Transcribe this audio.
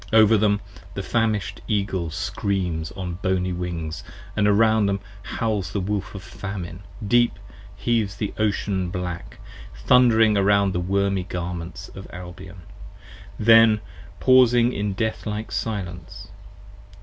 15 Over them the famish'd Eagle screams on boney Wings, and around Them howls the Wolf of famine, deep heaves the Ocean black, thundering Around the wormy Garments of Albion: then pausing in deathlike silence.